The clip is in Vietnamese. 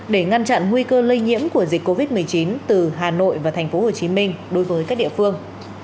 để ngăn chặn nguy cơ lây nhiễm của dịch covid một mươi chín từ hà nội và tp hcm đối với các địa phương